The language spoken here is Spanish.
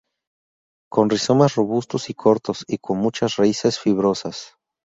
Con rizomas robustos y cortos,y con muchas raíces fibrosas.